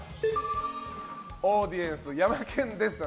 オーディエンスヤマケン・デッサン。